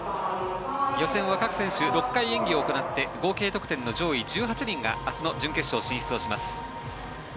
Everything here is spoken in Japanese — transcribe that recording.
予選は各選手６回演技を行って合計得点の上位１８人が明日の準決勝進出をします。